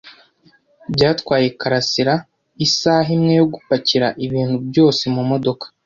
Byatwaye Karasiraisaha imwe yo gupakira ibintu byose mumodoka.